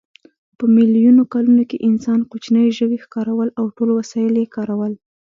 په میلیونو کلونو کې انسان کوچني ژوي ښکارول او ټول وسایل یې کارول.